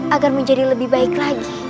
agar menjadi lebih baik lagi